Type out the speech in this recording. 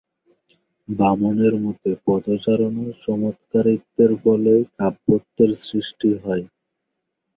বামনের মতে, পদরচনার চমৎকারিত্বের ফলেই কাব্যত্বের সৃষ্টি হয়।